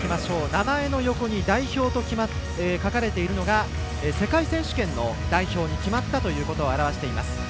名前の横に代表と書かれているのが世界選手権の代表に決まったということを表しています。